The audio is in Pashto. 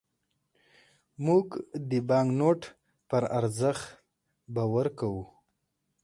موږ د بانکنوټ پر ارزښت باور کوو.